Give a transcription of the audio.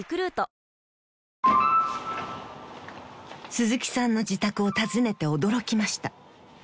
［鈴木さんの自宅を訪ねて驚きました］